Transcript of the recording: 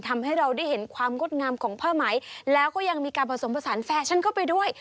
ทำให้เราได้เห็นความงดงามของผ้าไหมแล้วก็ยังมีการผสมผสานแฟชั่นเข้าไปด้วย